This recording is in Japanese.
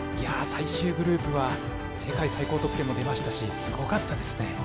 最終グループは世界最高得点も出ましたしすごかったですね。